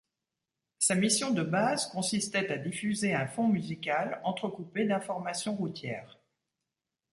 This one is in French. Sa mission de base consistait à diffuser un fond musical entrecoupé d'informations routières.